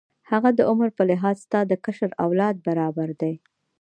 هغه د عمر په لحاظ ستا د کشر اولاد برابر دی.